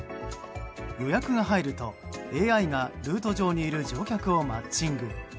予約が入ると、ＡＩがルート上にいる乗客をマッチング。